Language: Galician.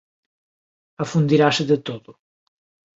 afundirase de todo.